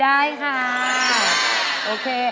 ได้ค่ะ